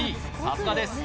さすがです